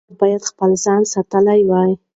هغې باید خپل ځان ساتلی وای.